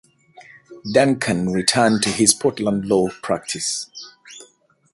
Duncan returned to his Portland law practice.